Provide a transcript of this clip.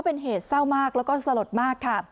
เป็นเหตุเศร้ามากแล้วก็สลดมากค่ะ